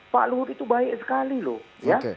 pak luhut itu baik sekali loh ya